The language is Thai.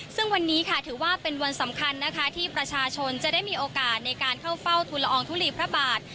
ซึ่งวันนี้ค่ะถือว่าเป็นวันสำคัญนะคะที่ประชาชนจะได้มีโอกาสในการเข้าเฝ้าทุลอองทุลีพระบาท